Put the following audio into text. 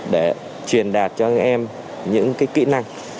để truyền đạt cho các em những cái kỹ năng